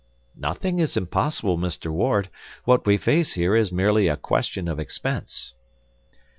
"Nothing is impossible, Mr. Ward; what we face here is merely a question of expense."